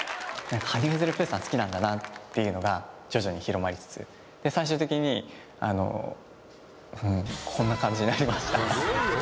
羽生結弦プーさん好きなんだなっていうのが徐々に広まりつつ最終的にあのうんこんな感じになりました